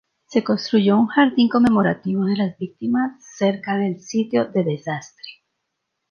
Se construyó un jardín conmemorativo de las víctimas cerca del sitio de desastre.